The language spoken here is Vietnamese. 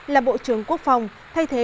là bộ trưởng quốc phòng thay thế